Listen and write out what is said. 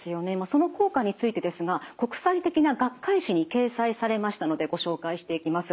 その効果についてですが国際的な学会誌に掲載されましたのでご紹介していきます。